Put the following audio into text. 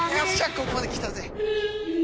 ここまで来たぜ」